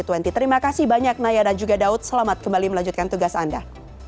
terima kasih banyak naya dan juga daud selamat kembali melanjutkan tugas anda